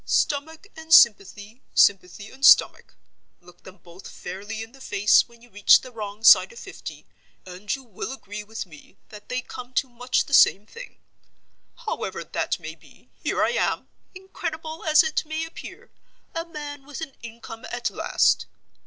Stomach and sympathy, sympathy and stomach—look them both fairly in the face when you reach the wrong side of fifty, and you will agree with me that they come to much the same thing. However that may be, here I am—incredible as it may appear—a man with an income, at last.